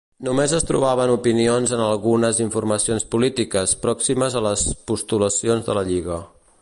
Només es trobaven opinions en algunes informacions polítiques, pròximes a les postulacions de la Lliga.